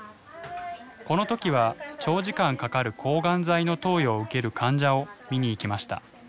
この時は長時間かかる抗がん剤の投与を受ける患者を見に行きました。